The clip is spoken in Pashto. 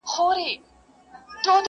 چي يې غړي تښتول د رستمانو!